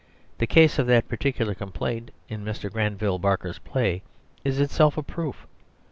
The case of that particular complaint, in Mr. Granville Barker's play, is itself a proof.